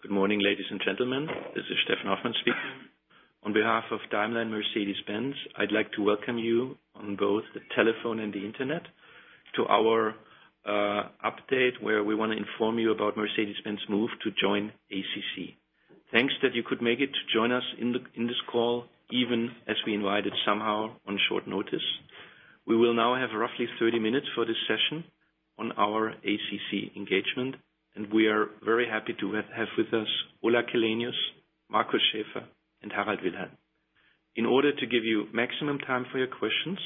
Good morning, ladies and gentlemen. This is Steffen Hoffmann speaking. On behalf of Daimler and Mercedes-Benz, I'd like to welcome you on both the telephone and the internet to our update, where we want to inform you about Mercedes-Benz move to join ACC. Thanks that you could make it to join us in this call, even as we invited somehow on short notice. We will now have roughly 30 minutes for this session on our ACC engagement, and we are very happy to have with us Ola Källenius, Markus Schäfer, and Harald Wilhelm. In order to give you maximum time for your questions,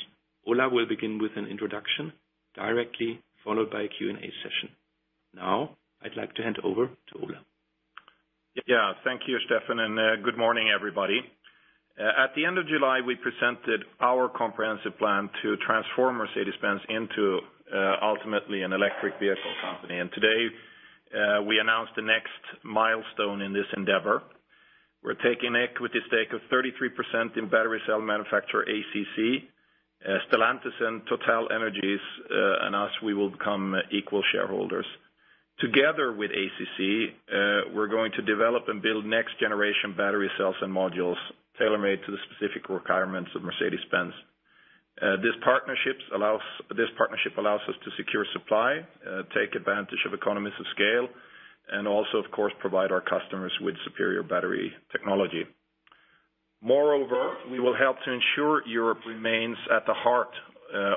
Ola will begin with an introduction, directly followed by a Q&A session. Now I'd like to hand over to Ola. Yeah. Thank you, Steffen, and good morning, everybody. At the end of July, we presented our comprehensive plan to transform Mercedes-Benz into, ultimately, an electric vehicle company. Today, we announce the next milestone in this endeavor. We're taking an equity stake of 33% in battery cell manufacturer ACC. Stellantis and TotalEnergies announce we will become equal shareholders. Together with ACC, we're going to develop and build next-generation battery cells and modules, tailor-made to the specific requirements of Mercedes-Benz. This partnership allows us to secure supply, take advantage of economies of scale, and also, of course, provide our customers with superior battery technology. Moreover, we will help to ensure Europe remains at the heart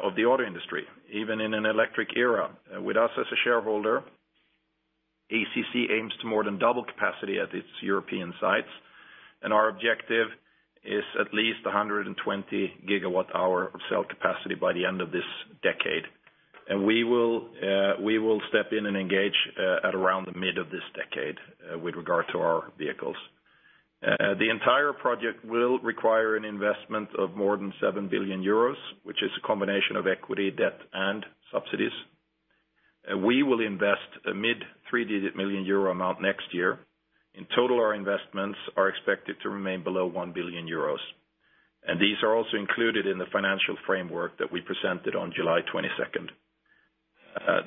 of the auto industry, even in an electric era. With us as a shareholder, ACC aims to more than double capacity at its European sites, and our objective is at least 120 GW-hour of cell capacity by the end of this decade. We will step in and engage at around the mid of this decade with regard to our vehicles. The entire project will require an investment of more than 7 billion euros, which is a combination of equity, debt, and subsidies. We will invest a mid three-digit million euro amount next year. In total, our investments are expected to remain below 1 billion euros. These are also included in the financial framework that we presented on July 22.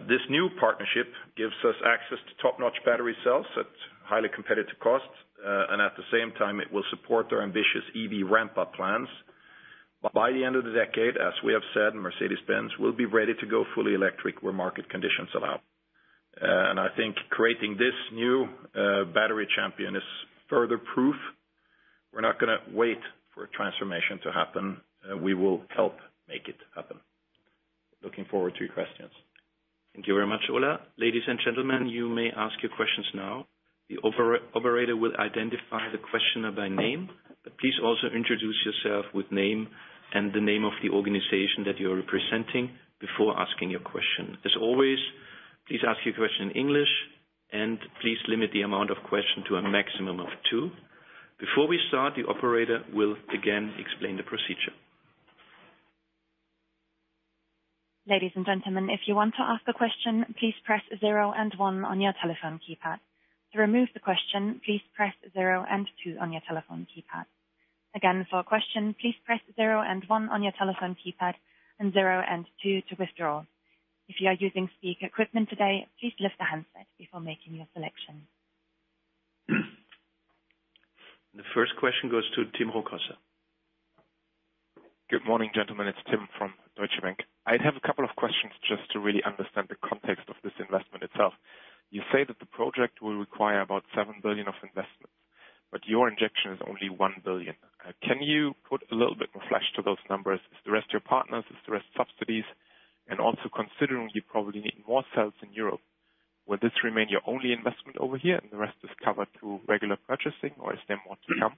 This new partnership gives us access to top-notch battery cells at highly competitive costs. At the same time, it will support our ambitious EV ramp-up plans. By the end of the decade, as we have said, Mercedes-Benz will be ready to go fully electric where market conditions allow. I think creating this new battery champion is further proof we're not going to wait for a transformation to happen. We will help make it happen. Looking forward to your questions. Thank you very much, Ola. Ladies and gentlemen, you may ask your questions now. The operator will identify the questioner by name. Please also introduce yourself with name and the name of the organization that you're representing before asking your question. As always, please ask your question in English, and please limit the amount of question to a maximum of two. Before we start, the operator will again explain the procedure. Ladies and gentlemen, if you want to ask a question, please press zero and one on your telephone keypad. To remove the question, please press zero and two on your telephone keypad. Again, for a question, please press zero and one on your telephone keypad, and zero and two to withdraw. If you are using speaker equipment today, please lift the handset before making your selection. The first question goes to Tim Rokossa. Good morning, gentlemen. It's Tim from Deutsche Bank. I have a couple of questions just to really understand the context of this investment itself. You say that the project will require about 7 billion of investment, but your injection is only 1 billion. Can you put a little bit more flesh to those numbers? Is the rest your partners, is the rest subsidies? Also, considering you probably need more cells in Europe, will this remain your only investment over here and the rest is covered through regular purchasing, or is there more to come?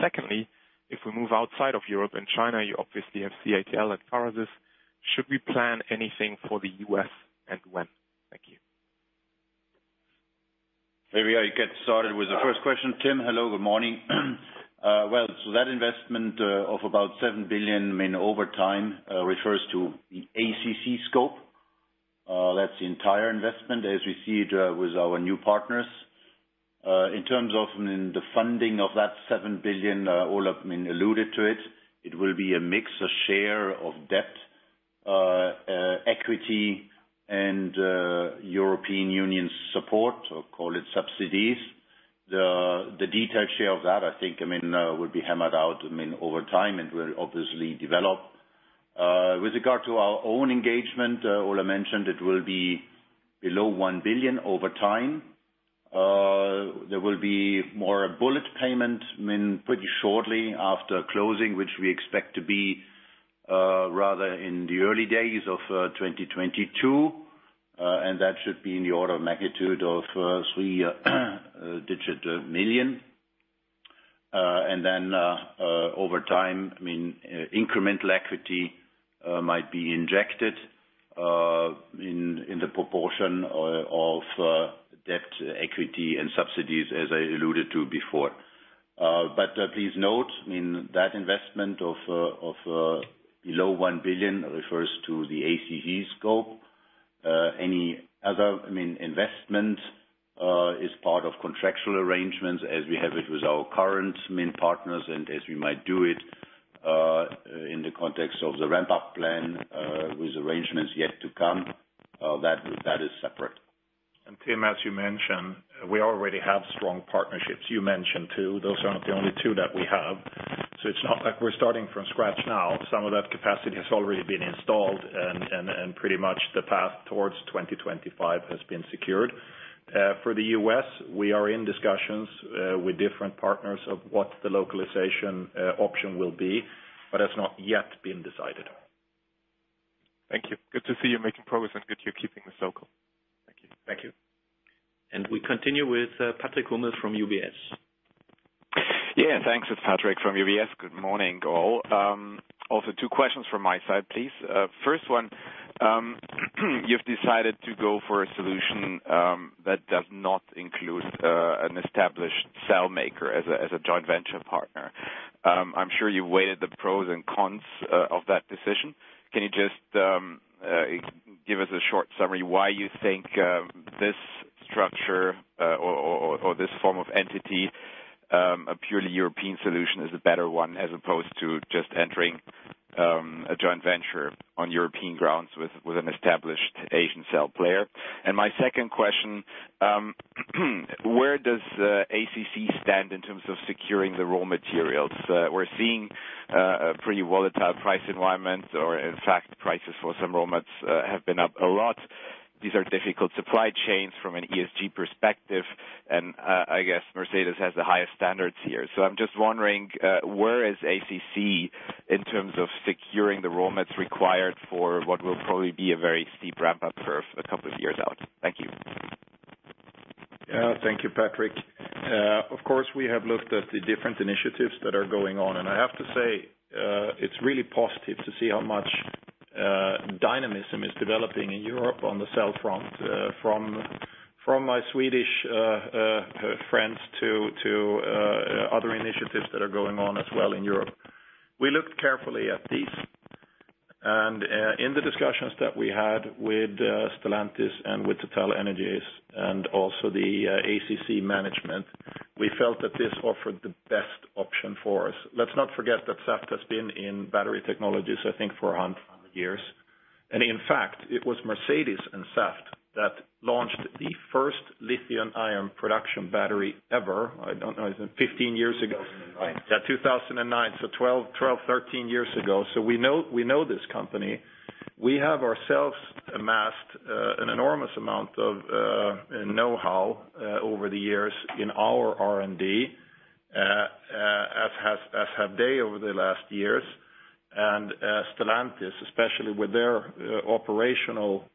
Secondly, if we move outside of Europe and China, you obviously have CATL and Farasis. Should we plan anything for the U.S., when? Thank you. Maybe I get started with the first question. Tim, hello. Good morning. Well, that investment of about 7 billion over time refers to the ACC scope. That's the entire investment as we see it with our new partners. In terms of the funding of that 7 billion, Ola alluded to it. It will be a mix of share of debt, equity, and European Union support, or call it subsidies. The detailed share of that, I think, will be hammered out over time and will obviously develop. With regard to our own engagement, Ola mentioned it will be below 1 billion over time. There will be more a bullet payment pretty shortly after closing, which we expect to be rather in the early days of 2022. That should be in the order of magnitude of euro three digit million. Over time, incremental equity might be injected in the proportion of debt equity and subsidies as I alluded to before. Please note, that investment of below 1 billion refers to the ACC scope. Any other investment As part of contractual arrangements, as we have it with our current main partners and as we might do it in the context of the ramp-up plan with arrangements yet to come, that is separate. Tim, as you mentioned, we already have strong partnerships. You mentioned two. Those are not the only two that we have. It's not like we're starting from scratch now. Some of that capacity has already been installed and pretty much the path towards 2025 has been secured. For the U.S., we are in discussions with different partners of what the localization option will be, that's not yet been decided. Thank you. Good to see you're making progress and good you're keeping this local. Thank you. Thank you. We continue with Patrick Hummel from UBS. Yeah, thanks. It is Patrick from UBS. Good morning, all. Also, two questions from my side, please. First one, you've decided to go for a solution that does not include an established cell maker as a joint venture partner. I'm sure you weighed the pros and cons of that decision. Can you just give us a short summary why you think this structure or this form of entity, a purely European solution, is a better one as opposed to just entering a joint venture on European grounds with an established Asian cell player? My second question, where does ACC stand in terms of securing the raw materials? We're seeing a pretty volatile price environment or in fact, prices for some raw mats have been up a lot. These are difficult supply chains from an ESG perspective, and I guess Mercedes-Benz has the highest standards here. I'm just wondering, where is ACC in terms of securing the raw mats required for what will probably be a very steep ramp-up curve a couple of years out? Thank you. Yeah. Thank you, Patrick. Of course, we have looked at the different initiatives that are going on, and I have to say, it's really positive to see how much dynamism is developing in Europe on the cell front, from my Swedish friends to other initiatives that are going on as well in Europe. We looked carefully at these, and in the discussions that we had with Stellantis and with TotalEnergies and also the ACC management, we felt that this offered the best option for us. Let's not forget that Saft has been in battery technologies, I think, for 100 years. In fact, it was Mercedes and Saft that launched the first lithium-ion production battery ever, I don't know, is it 15 years ago? 2009. Yeah, 2009. 12, 13 years ago. We know this company. We have ourselves amassed an enormous amount of know-how over the years in our R&D, as have they over the last years. Stellantis, especially with their operational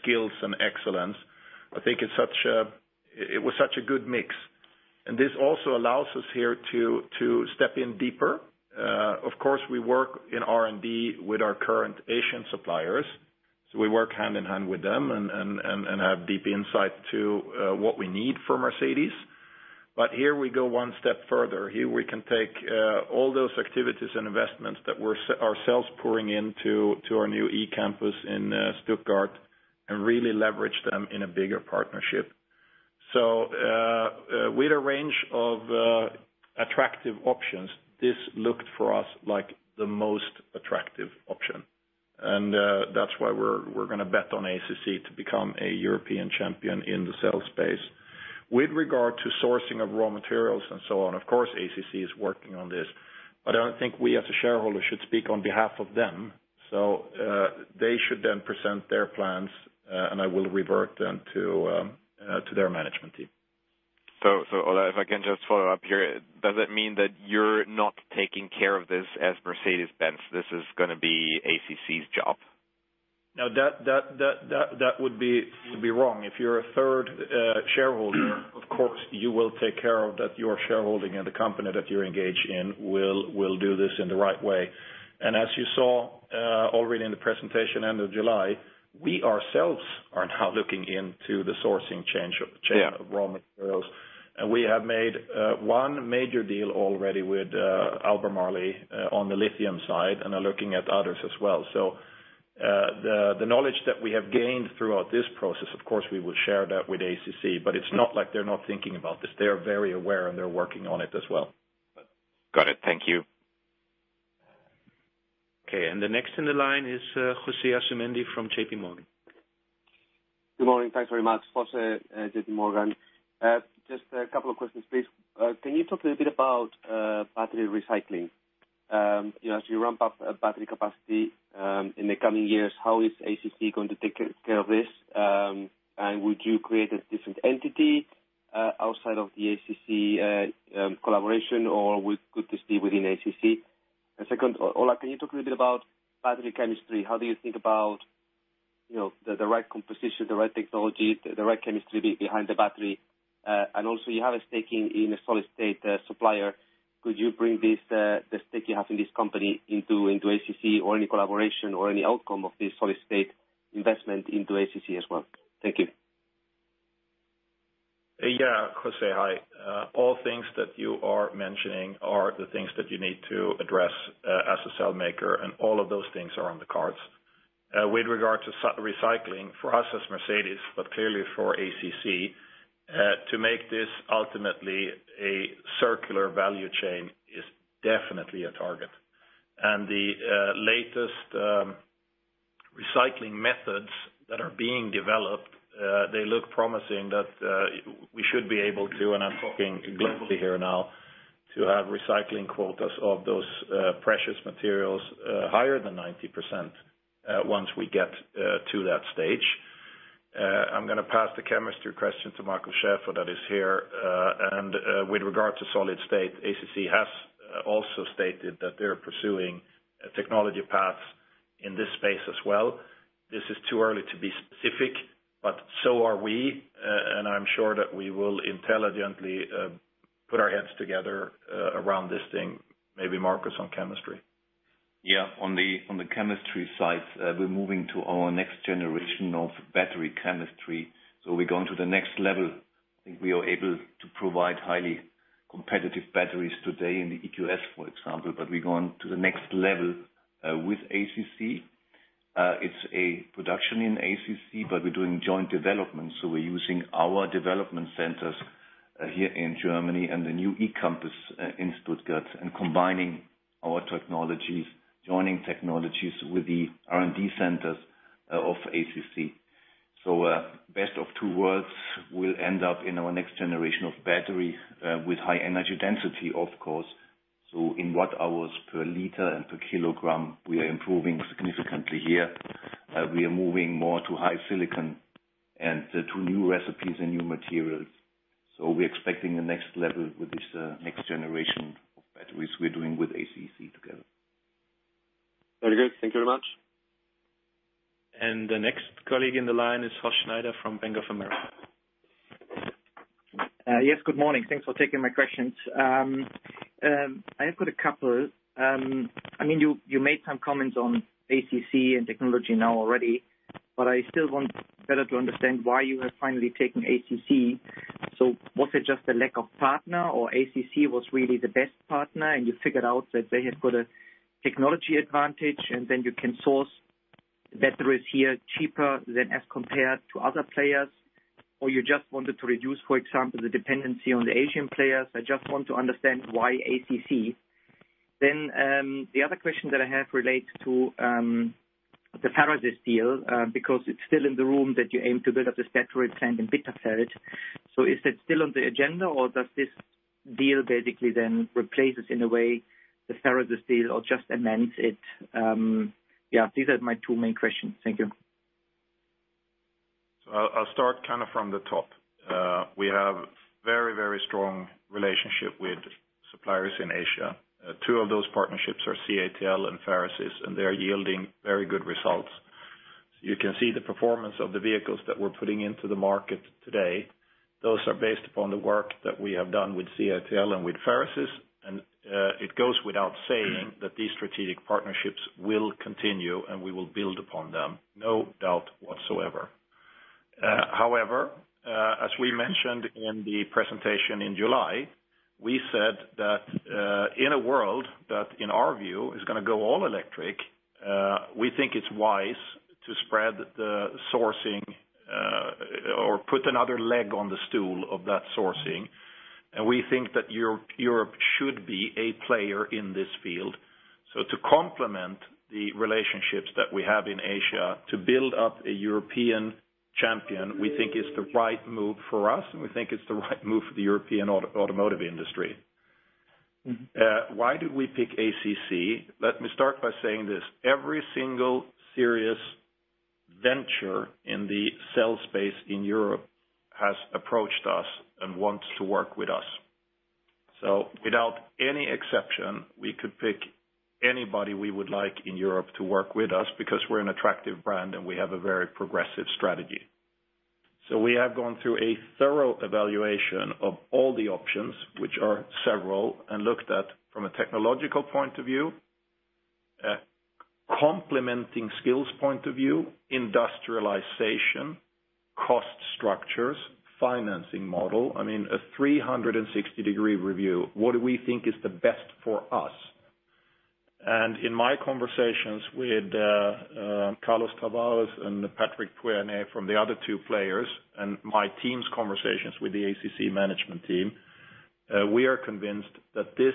skills and excellence, I think it was such a good mix. This also allows us here to step in deeper. Of course, we work in R&D with our current Asian suppliers. We work hand in hand with them and have deep insight to what we need for Mercedes. Here we go one step further. Here, we can take all those activities and investments that we're ourselves pouring into our new eCampus in Stuttgart and really leverage them in a bigger partnership. With a range of attractive options, this looked for us like the most attractive option. That's why we're going to bet on ACC to become a European champion in the cell space. With regard to sourcing of raw materials and so on, of course, ACC is working on this, but I don't think we, as a shareholder, should speak on behalf of them. They should then present their plans, and I will revert them to their management team. Ola, if I can just follow up here, does it mean that you're not taking care of this as Mercedes-Benz? This is going to be ACC's job. No, that would be wrong. If you're a third shareholder, of course, you will take care of that your shareholding and the company that you're engaged in will do this in the right way. As you saw already in the presentation end of July, we ourselves are now looking into the sourcing chain of raw materials. We have made one major deal already with Albemarle on the lithium side and are looking at others as well. The knowledge that we have gained throughout this process, of course, we will share that with ACC, but it's not like they're not thinking about this. They are very aware, and they're working on it as well. Got it. Thank you. Okay, the next in the line is José Asumendi from JP Morgan. Good morning. Thanks very much. José Asumendi, J.P. Morgan. Just a couple of questions, please. Can you talk a little bit about battery recycling? As you ramp up battery capacity in the coming years, how is ACC going to take care of this? Would you create a different entity outside of the ACC collaboration, or could this be within ACC? Second, Ola, can you talk a little bit about battery chemistry? How do you think about the right composition, the right technology, the right chemistry behind the battery? Also, you have a stake in a solid-state supplier. Could you bring the stake you have in this company into ACC or any collaboration or any outcome of this solid-state investment into ACC as well? Thank you. Yeah. José, hi. All things that you are mentioning are the things that you need to address as a cell maker, and all of those things are on the cards. With regard to recycling for us as Mercedes, but clearly for ACC, to make this ultimately a circular value chain is definitely a target. The latest recycling methods that are being developed, they look promising that we should be able to, and I'm talking globally here now, to have recycling quotas of those precious materials higher than 90% once we get to that stage. I'm going to pass the chemistry question to Markus Schäfer that is here, and with regard to solid-state, ACC has also stated that they're pursuing technology paths in this space as well. This is too early to be specific, but so are we, and I'm sure that we will intelligently put our heads together around this thing. Maybe Markus on chemistry. On the chemistry side, we're moving to our next generation of battery chemistry. We're going to the next level. I think we are able to provide highly competitive batteries today in the EQS, for example, but we're going to the next level, with ACC. It's a production in ACC, but we're doing joint development, we're using our development centers here in Germany and the new eCampus in Stuttgart, and combining our technologies, joining technologies with the R&D centers of ACC. Best of two worlds will end up in our next generation of battery, with high energy density, of course. In watt-hours per liter and per kilogram, we are improving significantly here. We are moving more to high silicon and to new recipes and new materials. We're expecting the next level with this next generation of batteries we're doing with ACC together. Very good. Thank you very much. The next colleague in the line is Horst Schneider from Bank of America. Yes, good morning. Thanks for taking my questions. I have got a couple. You made some comments on ACC and technology now already. I still want better to understand why you have finally taken ACC. Was it just a lack of partner or ACC was really the best partner, and you figured out that they have got a technology advantage, and then you can source batteries here cheaper than as compared to other players? You just wanted to reduce, for example, the dependency on the Asian players? I just want to understand why ACC. The other question that I have relates to the Farasis deal, because it's still in the room that you aim to build up this battery plant in Bitterfeld. Is that still on the agenda or does this deal basically then replace it in a way the Farasis deal or just amend it? These are my two main questions. Thank you. I'll start from the top. We have very strong relationship with suppliers in Asia. Two of those partnerships are CATL and Farasis, and they are yielding very good results. You can see the performance of the vehicles that we're putting into the market today. Those are based upon the work that we have done with CATL and with Farasis. It goes without saying that these strategic partnerships will continue, and we will build upon them. No doubt whatsoever. However, as we mentioned in the presentation in July, we said that, in a world that, in our view, is going to go all electric, we think it's wise to spread the sourcing, or put another leg on the stool of that sourcing. We think that Europe should be a player in this field. To complement the relationships that we have in Asia, to build up a European champion, we think is the right move for us, and we think it's the right move for the European automotive industry. Why did we pick ACC? Let me start by saying this. Every single serious venture in the cell space in Europe has approached us and wants to work with us. Without any exception, we could pick anybody we would like in Europe to work with us because we're an attractive brand, and we have a very progressive strategy. We have gone through a thorough evaluation of all the options, which are several, and looked at from a technological point of view, a complementing skills point of view, industrialization, cost structures, financing model, I mean, a 360-degree review. What do we think is the best for us? In my conversations with Carlos Tavares and Patrick Pouyanné from the other two players and my team's conversations with the ACC management team, we are convinced that this,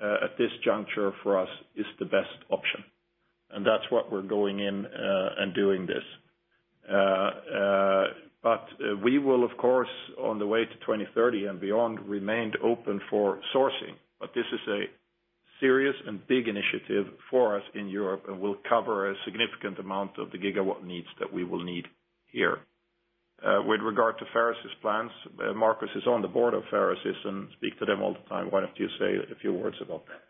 at this juncture for us, is the best option. That's what we're going in and doing this. We will, of course, on the way to 2030 and beyond, remain open for sourcing. This is a serious and big initiative for us in Europe and will cover a significant amount of the gigawatt needs that we will need here. With regard to Farasis' plans, Markus is on the board of Farasis and speak to them all the time. Why don't you say a few words about that?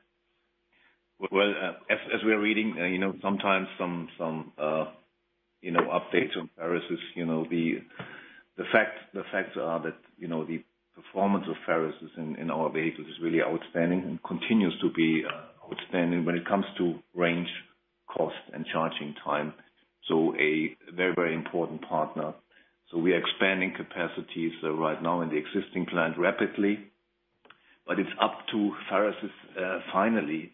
Well, as we are reading sometimes some updates on Farasis. The facts are that the performance of Farasis in our vehicles is really outstanding and continues to be outstanding when it comes to range, cost, and charging time. A very important partner. We are expanding capacities right now in the existing plant rapidly. It's up to Farasis finally,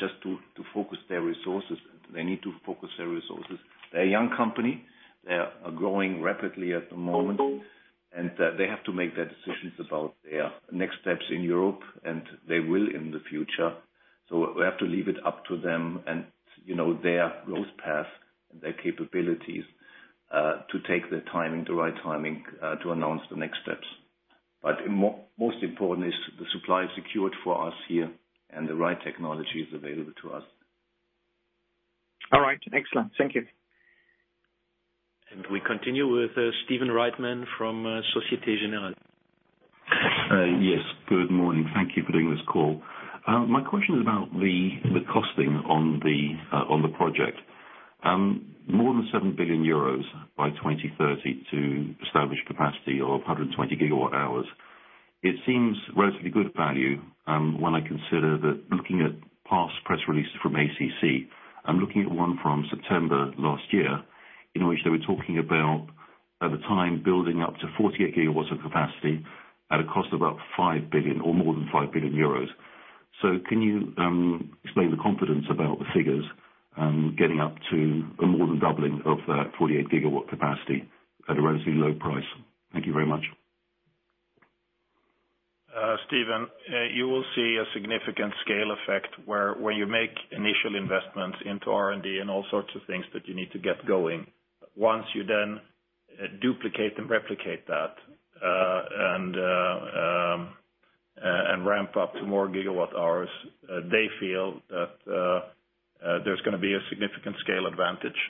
just to focus their resources. They need to focus their resources. They're a young company. They are growing rapidly at the moment, and they have to make their decisions about their next steps in Europe, and they will in the future. We have to leave it up to them and their growth path and their capabilities, to take the timing, the right timing, to announce the next steps. Most important is the supply secured for us here and the right technology is available to us. All right. Excellent. Thank you. We continue with Stephen Reitman from Societe Generale. Yes. Good morning. Thank you for doing this call. My question is about the costing on the project. More than 7 billion euros by 2030 to establish capacity of 120 GWh. It seems relatively good value, when I consider that looking at past press releases from ACC, I'm looking at one from September last year, in which they were talking about, at the time, building up to 48 GW of capacity at a cost of up 5 billion or more than 5 billion euros. Can you explain the confidence about the figures, getting up to more than doubling of that 48 GW capacity at a relatively low price? Thank you very much. Stephen, you will see a significant scale effect where you make initial investments into R&D and all sorts of things that you need to get going. Once you then duplicate and replicate that, and ramp up to more gigawatt-hours, they feel that there is going to be a significant scale advantage.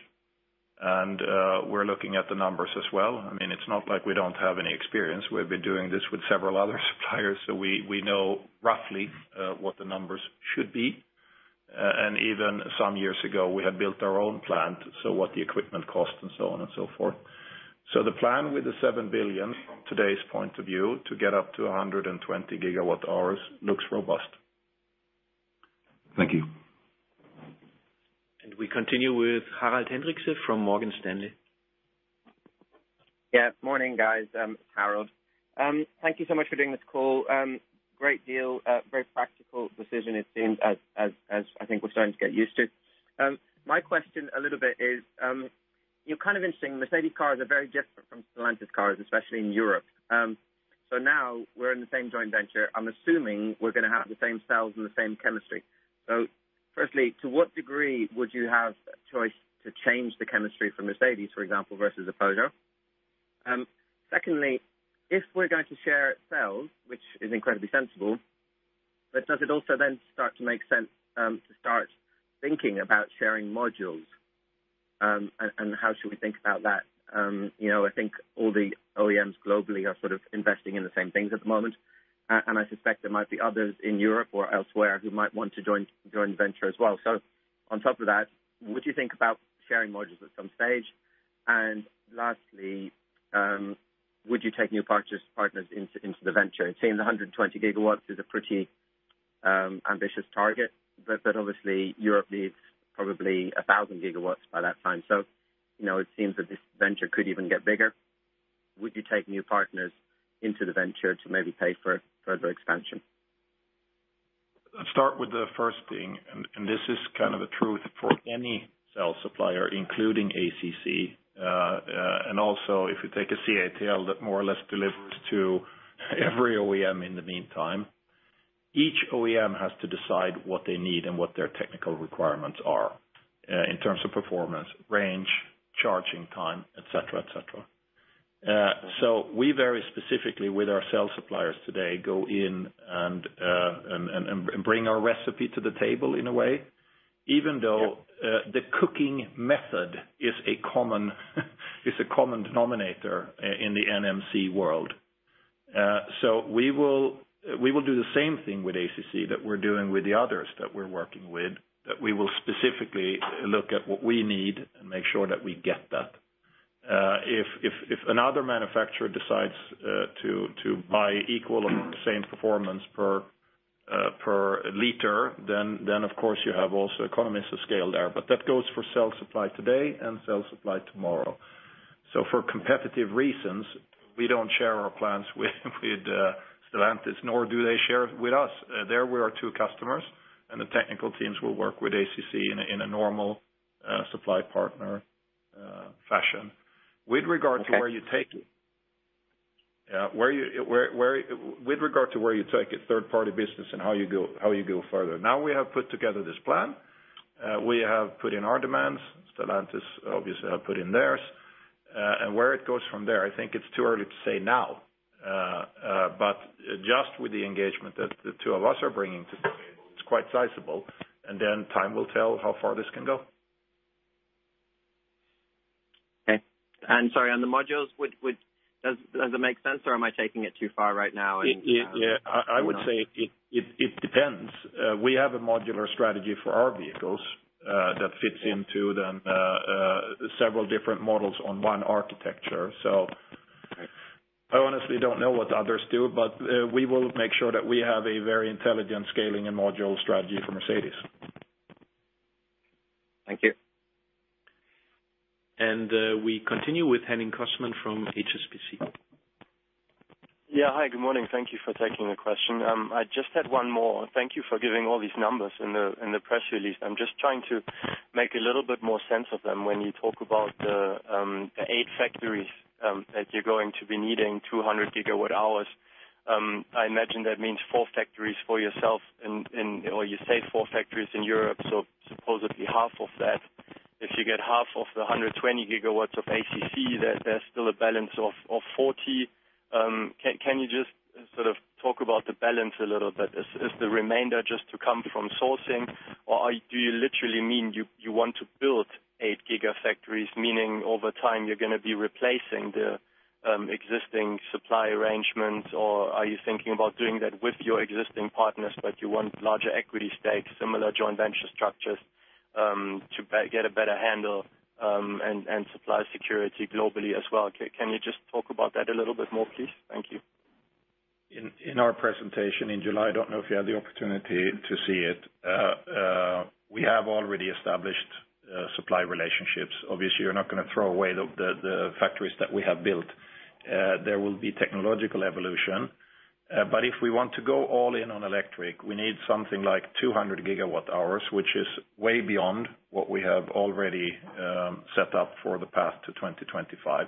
We are looking at the numbers as well. It is not like we do not have any experience. We have been doing this with several other suppliers, so we know roughly what the numbers should be. Even some years ago, we had built our own plant, so what the equipment cost and so on and so forth. The plan with the 7 billion from today's point of view, to get up to 120 GWh looks robust. Thank you. We continue with Harald Hendrikse from Morgan Stanley. Morning, guys. Harald. Thank you so much for doing this call. Great deal. Very practical decision it seems as I think we're starting to get used to. My question a little bit is, you're kind of interesting. Mercedes-Benz cars are very different from Stellantis cars, especially in Europe. Now we're in the same joint venture. I'm assuming we're going to have the same cells and the same chemistry. Firstly, to what degree would you have a choice to change the chemistry for Mercedes-Benz, for example, versus a Peugeot? Secondly, if we're going to share cells, which is incredibly sensible, but does it also then start to make sense to start thinking about sharing modules? How should we think about that? I think all the OEMs globally are sort of investing in the same things at the moment. I suspect there might be others in Europe or elsewhere who might want to joint venture as well. On top of that, would you think about sharing modules at some stage? Lastly, would you take new partners into the venture? It seems 120 GW is a pretty ambitious target, but obviously Europe needs probably 1,000 GW by that time. It seems that this venture could even get bigger. Would you take new partners into the venture to maybe pay for further expansion? Let's start with the first thing, and this is kind of a truth for any cell supplier, including ACC. Also, if you take a CATL that more or less delivers to every OEM in the meantime, each OEM has to decide what they need and what their technical requirements are, in terms of performance, range, charging time, et cetera. We very specifically, with our cell suppliers today, go in and bring our recipe to the table in a way, even though the cooking method is a common denominator in the NMC world. We will do the same thing with ACC that we're doing with the others that we're working with, that we will specifically look at what we need and make sure that we get that. If another manufacturer decides to buy equal or same performance per liter, then of course you have also economies of scale there. That goes for cell supply today and cell supply tomorrow. For competitive reasons, we don't share our plans with Stellantis, nor do they share with us. There we are two customers, and the technical teams will work with ACC in a normal supply partner fashion. With regard to where you take it third-party business and how you go further. Now we have put together this plan. We have put in our demands. Stellantis obviously have put in theirs. Where it goes from there, I think it's too early to say now. Just with the engagement that the two of us are bringing to the table, it's quite sizable. Time will tell how far this can go. Okay. Sorry, on the modules, does it make sense or am I taking it too far right now? Yeah. I would say it depends. We have a modular strategy for our vehicles that fits into the several different models on one architecture. I honestly don't know what others do, but we will make sure that we have a very intelligent scaling and module strategy for Mercedes. Thank you. We continue with Henning Cosman from HSBC. Yeah. Hi, good morning. Thank you for taking the question. I just had one more. Thank you for giving all these numbers in the press release. I'm just trying to make a little bit more sense of them when you talk about the eight factories that you're going to be needing 200 GWh. I imagine that means four factories for yourself or you say four factories in Europe, so supposedly half of that. If you get half of the 120 GWh of ACC, there's still a balance of 40. Can you just sort of talk about the balance a little bit? Is the remainder just to come from sourcing? Do you literally mean you want to build eight gigafactories, meaning over time you're going to be replacing the existing supply arrangements, or are you thinking about doing that with your existing partners, but you want larger equity stakes, similar joint venture structures, to get a better handle and supply security globally as well? Can you just talk about that a little bit more, please? Thank you. In our presentation in July, I don't know if you had the opportunity to see it, we have already established supply relationships. Obviously, we're not going to throw away the factories that we have built. There will be technological evolution. If we want to go all in on electric, we need something like 200 GWh, which is way beyond what we have already set up for the path to 2025.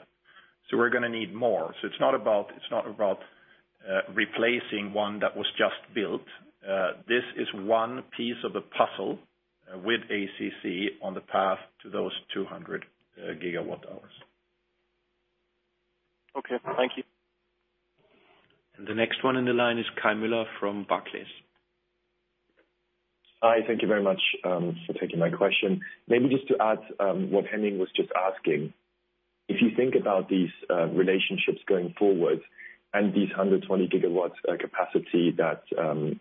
We're going to need more. It's not about replacing one that was just built. This is one piece of the puzzle with ACC on the path to those 200 GWh. Okay. Thank you. The next one in the line is Kai Mueller from Barclays. Hi, thank you very much for taking my question. Maybe just to add what Henning was just asking. If you think about these relationships going forward and these 120 GW capacity that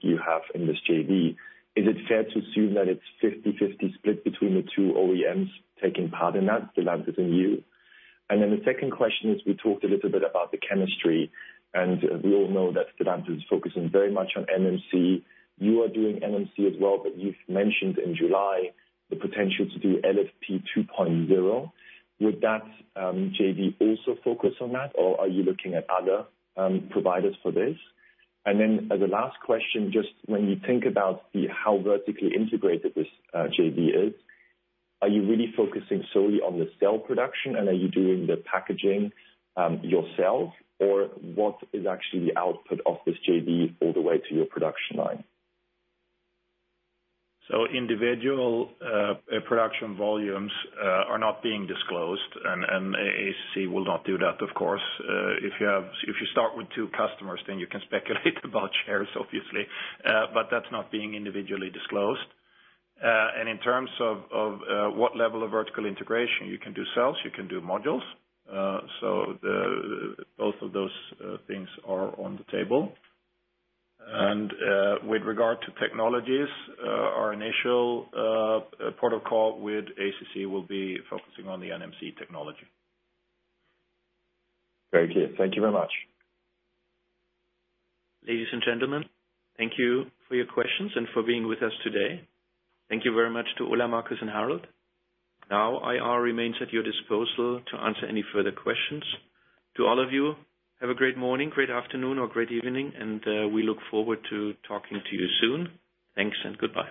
you have in this JV, is it fair to assume that it's 50/50 split between the two OEMs taking part in that, Stellantis and you? The second question is, we talked a little bit about the chemistry, and we all know that Stellantis is focusing very much on NMC. You are doing NMC as well, but you've mentioned in July the potential to do LFP 2.0. Would that JV also focus on that, or are you looking at other providers for this? As a last question, just when you think about how vertically integrated this JV is, are you really focusing solely on the cell production and are you doing the packaging yourself, or what is actually the output of this JV all the way to your production line? Individual production volumes are not being disclosed, and ACC will not do that, of course. If you start with two customers, then you can speculate about shares, obviously. That's not being individually disclosed. In terms of what level of vertical integration, you can do cells, you can do modules. Both of those things are on the table. With regard to technologies, our initial protocol with ACC will be focusing on the NMC technology. Very clear. Thank you very much. Ladies and gentlemen, thank you for your questions and for being with us today. Thank you very much to Ola, Markus, and Harald. Now Investor Relation remains at your disposal to answer any further questions. To all of you, have a great morning, great afternoon, or great evening, and we look forward to talking to you soon. Thanks and goodbye.